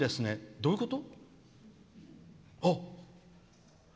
どういうこと？